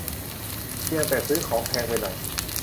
เพียงแต่ซื้อของแพงไปหน่อย